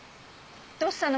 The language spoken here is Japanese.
どうしたの？